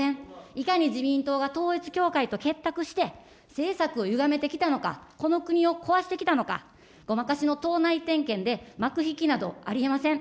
いかに自民党が統一教会と結託して、政策をゆがめてきたのか、この国を壊してきたのか、ごまかしの党内点検で幕引きなどありえません。